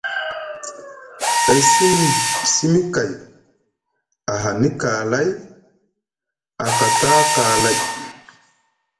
E sini simi kay, ahani kaalay, a kata kaalay.